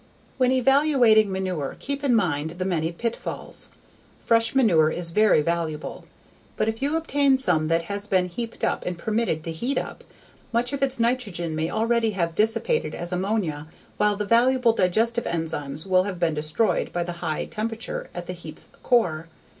When evaluating manure keep in mind the many pitfalls. Fresh manure is very valuable, but if you obtain some that has been has been heaped up and permitted to heat up, much of its nitrogen may already have dissipated as ammonia while the valuable digestive enzymes will have been destroyed by the high temperatures at the heap's core.